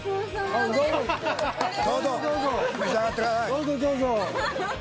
どうぞどうぞ。